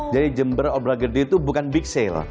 jadi jember obra gede itu bukan big sale